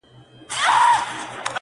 o د اخيرت سختي خوارۍ دي!